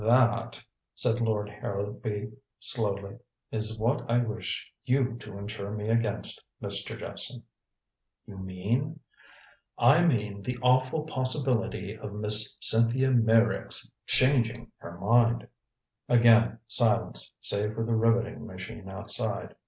"That," said Lord Harrowby slowly, "is what I wish you to insure me against, Mr. Jephson." "You mean " "I mean the awful possibility of Miss Cynthia Meyrick's changing her mind." Again silence, save for the riveting machine outside.